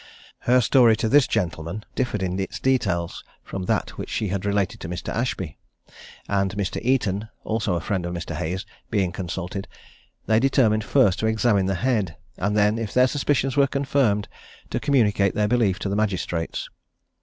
Her story to this gentleman differed in its details from that which she had related to Mr. Ashby; and Mr. Eaton, also a friend of Mr. Hayes, being consulted, they determined first to examine the head, and then, if their suspicions were confirmed, to communicate their belief to the magistrates.